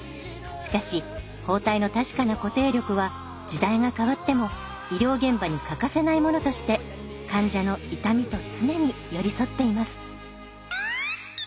しかし包帯の確かな固定力は時代が変わっても医療現場に欠かせないものとして患者の痛みと常に寄り添っています。